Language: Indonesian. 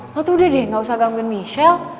lo tuh udah deh gak usah gangguin michelle